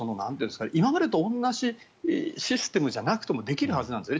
今までと同じシステムじゃなくてもできるはずなんですね。